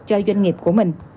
cho doanh nghiệp của mình